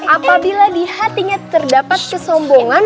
apabila di hatinya terdapat kesombongan